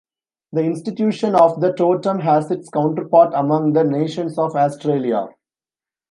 The institution of the Totem has its counterpart among the nations of Australia.